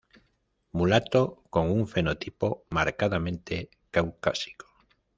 Mulato con un fenotipo marcadamente caucásico.